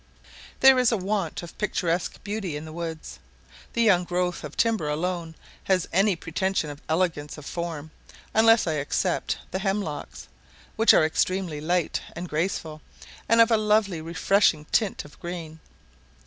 There is a want of picturesque beauty in the woods. The young growth of timber alone has any pretension of elegance of form, unless I except the hemlocks, which are extremely light and graceful, and of a lovely refreshing tint of green.